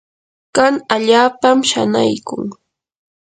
kan allaapam shanaykun.